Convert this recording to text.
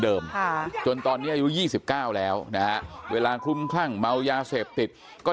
เดิมจนตอนนี้อายุ๒๙แล้วนะเวลาคุ้มคั่งเมายาเศษบติดก็